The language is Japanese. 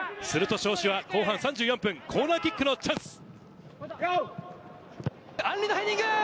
すると尚志は後半３４分、コーナーキックのチャンス。